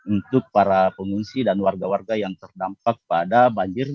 untuk para pengungsi dan warga warga yang terdampak pada banjir